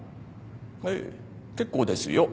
ええ結構ですよ。